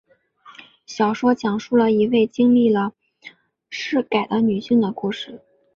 小说讲述了一位经历了土改的女性的故事。